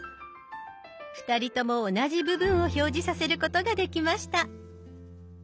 ２人とも同じ部分を表示させることができました。